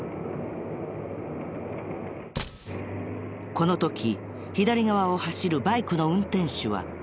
この時左側を走るバイクの運転手は。